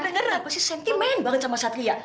kenapa sih sentimen banget sama satria